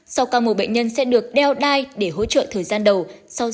sau ca mổ bệnh nhân sẽ được đeo để hỗ trợ thời gian đầu